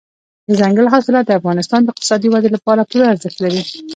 دځنګل حاصلات د افغانستان د اقتصادي ودې لپاره پوره ارزښت لري.